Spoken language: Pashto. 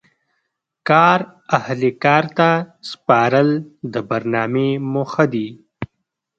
کار اهل کار ته سپارل د برنامې موخه دي.